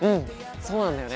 そうなんだよね。